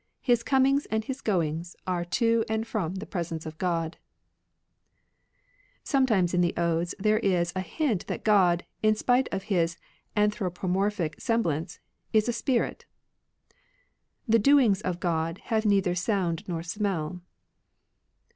His comings and his goings Are to and from the presence of God. He is a Sometimes in the Odes there is a ^' hint that God, in spite of His anthro pomorphic semblance, is a spirit :— Spiritual Beings. The doings of God Have neither sound nor smell.